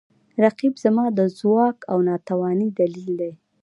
رقیب زما د ځواک او توانایي دلیل دی